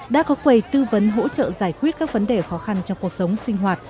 đã có quầy tư vấn hỗ trợ giải quyết các vấn đề khó khăn trong cuộc sống sinh hoạt